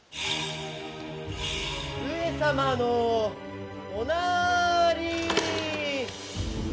上様のおなーりー！